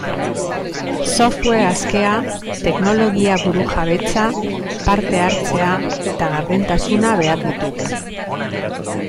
Software askea, teknologia burujabetza, parte-hartzea eta gardentasuna behar ditugu.